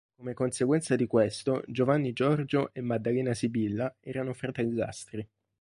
Come conseguenza di questo, Giovanni Giorgio e Maddalena Sibilla erano fratellastri.